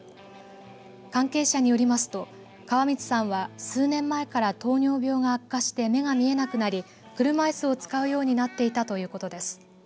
関係者によりますと川満さんは数年前から糖尿病が悪化して目が見えなくなり車いすを使うようになっていたということです。